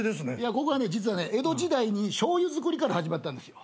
ここは実はね江戸時代にしょうゆ造りから始まったんですよ。